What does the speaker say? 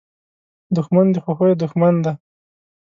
دښمن د خوښیو دوښمن دی